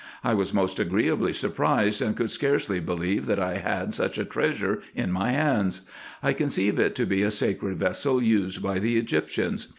I was most agreeably surprised, and covdd scarcely believe that I had such a treasure in my hands. I conceive it to be a sacred vessel used by the Egyptians.